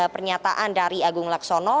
pernyataan dari agung laksono